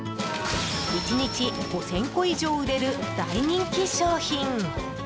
１日５０００個以上売れる大人気商品。